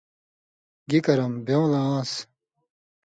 گی کرم بېوں لہ آن٘س۔